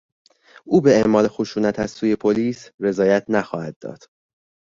او به اعمال خشونت از سوی پلیس رضایت نخواهد داد.